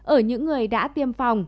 ở những người đã tiêm phòng